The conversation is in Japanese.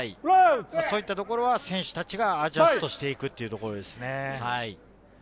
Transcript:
そういったところは選手たちがアジャストしていくというところですね。